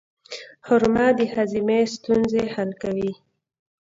خرما د هاضمې ستونزې حل کوي.